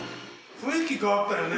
雰囲気変わったよね。